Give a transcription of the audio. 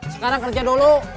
sekarang kerja dulu